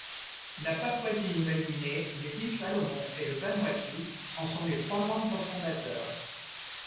La Papouasie-Nouvelle-Guinée, les Îles Salomon et le Vanuatu en sont les trois membres fondateurs.